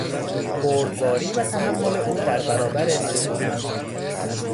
بردباری و تحمل او در برابر مصائب